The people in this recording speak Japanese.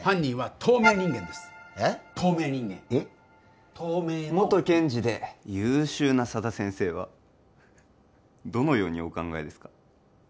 透明人間透明の元検事で優秀な佐田先生はふふどのようにお考えですか？